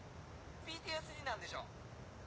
ＰＴＳＤなんでしょ？